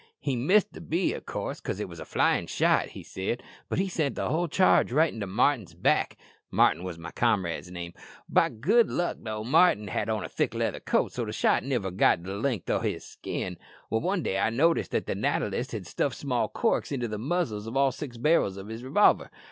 He missed the bee, of coorse, 'cause it wos a flyin' shot, he said, but he sent the whole charge right into Martin's back Martin was my comrade's name. By good luck Martin had on a thick leather coat, so the shot niver got the length o' his skin." "One day I noticed that the natter list had stuffed small corks into the muzzles of all the six barrels of his revolver.